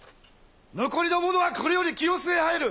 残りの者はこれより清須へ入る！